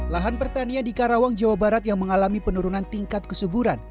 lahan pertanian di karawang jawa barat yang mengalami penurunan tingkat kesuburan